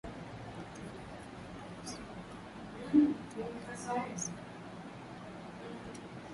Hana namba ya simu ya kudumu hutumia namba ya sim umara moja tu